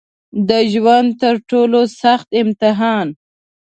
د ژوند تر ټولو سخت امتحان